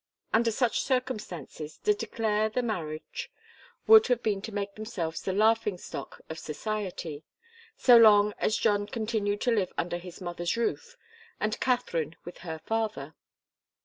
Under such circumstances to declare the marriage would have been to make themselves the laughing stock of society, so long as John continued to live under his mother's roof, and Katharine with her father.